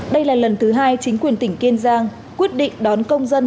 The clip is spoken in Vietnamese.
đây là lần thứ hai chính quyền tỉnh kiên giang quyết định đón công dân